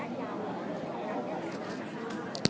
และที่อยู่ด้านหลังคุณยิ่งรักนะคะก็คือนางสาวคัตยาสวัสดีผลนะคะ